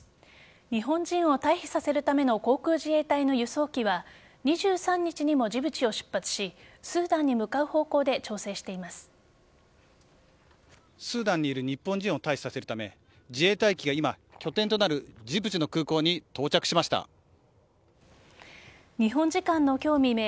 日本人を退避させるための航空自衛隊の輸送機は２３日にもジプチを出発しスーダンに向かう方向でスーダンにいる日本人を退避させるため自衛隊機が今拠点となるジブチの空港に日本時間の今日未明